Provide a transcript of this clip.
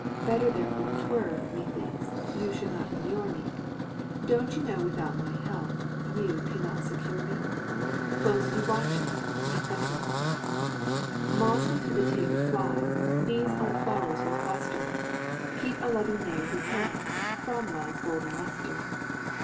Better therefore 'twere, methinks, You should not immure me: Don't you know without my help You can not secure me? Close you watch me, &c. Moths will to the taper fly, Bees on flowers will cluster; Keep a loving maid who can From love's golden lustre!